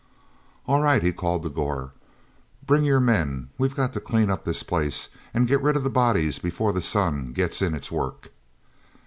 "All right," he called to Gor. "Bring on your men; we've got to clean up this place and get rid of the bodies before the sun gets in its work.